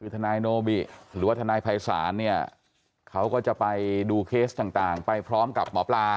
คือทนายโนบิหรือว่าทนายภัยศาลเนี่ยเขาก็จะไปดูเคสต่างไปพร้อมกับหมอปลา